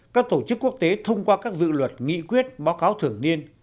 các tổ chức quốc tế thông qua các dự luật nghị quyết báo cáo thường niên